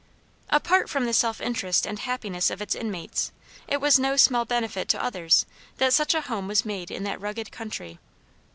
Apart from the self interest and happiness of its inmates, it was no small benefit to others that such a home was made in that rugged country.